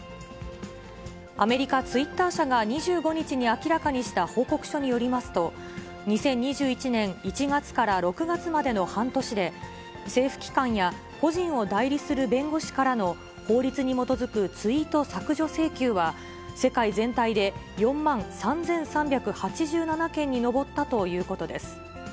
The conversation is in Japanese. アメリカ、ツイッター社が２５日に明らかにした報告書によりますと、２０２１年１月から６月までの半年で、政府機関や個人を代理する弁護士からの法律に基づくツイート削除請求は、世界全体で４万３３８７件に上ったということです。